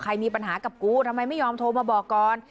มีปัญหากับกูทำไมไม่ยอมโทรมาบอกก่อน